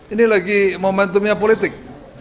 ini lagi momentumnya politik